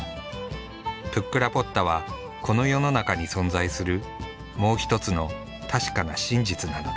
プックラポッタはこの世の中に存在するもう一つの確かな真実なのだ。